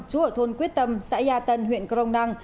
chú ở thôn quyết tâm xã gia tân huyện crong năng